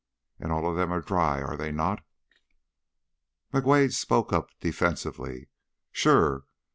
"And all of them are dry, are they not?" McWade spoke up, defensively: "Sure.